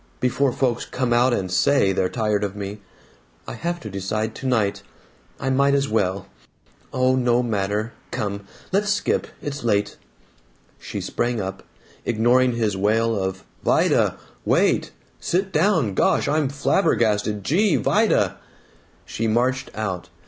Before folks come out and SAY they're tired of me. I have to decide tonight. I might as well Oh, no matter. Come. Let's skip. It's late." She sprang up, ignoring his wail of "Vida! Wait! Sit down! Gosh! I'm flabbergasted! Gee! Vida!" She marched out.